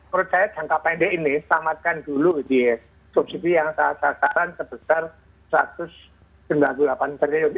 menurut saya jangka pendek ini selamatkan dulu di subsidi yang saat sasaran sebesar rp satu ratus sembilan puluh delapan triliun